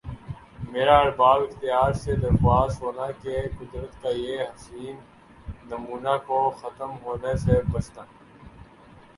میرا ارباب اختیار سے درخواست ہونا کہ قدرت کا یِہ حسین نمونہ کو ختم ہونا سے بچنا